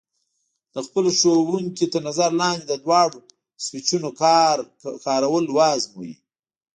د خپلو ښوونکي تر نظر لاندې د دواړو سویچونو کارول وازموئ.